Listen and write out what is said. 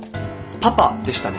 パパでしたね。